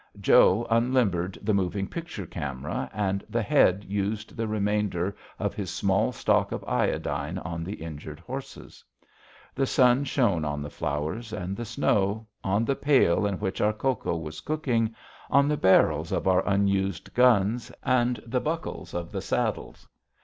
Joe unlimbered the moving picture camera, and the Head used the remainder of his small stock of iodine on the injured horses. The sun shone on the flowers and the snow, on the pail in which our cocoa was cooking, on the barrels of our unused guns and the buckles of the saddles.